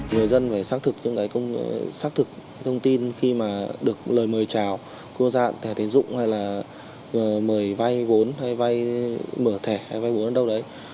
người dân phải xác thực những thông tin khi mà được lời mời trào cô gian thẻ tiền dụng hay là mời vay vốn hay vay mở thẻ hay vay vốn ở đâu đấy